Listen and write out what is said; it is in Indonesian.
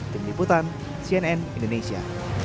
tim liputan cnn indonesia